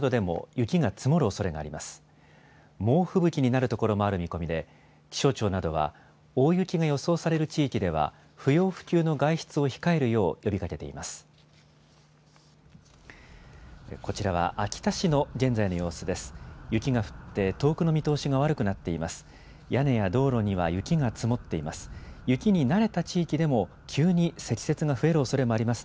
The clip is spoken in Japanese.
雪が降って、遠くの見通しが悪くなっています。